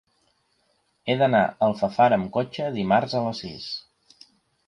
He d'anar a Alfafara amb cotxe dimarts a les sis.